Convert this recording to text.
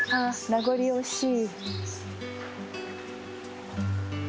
名残惜しい。